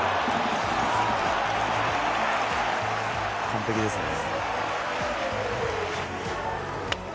「完璧ですね」